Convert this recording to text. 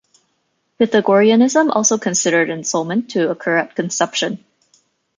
Pythagoreanism also considered ensoulment to occur at conception.